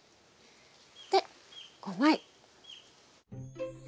で５枚。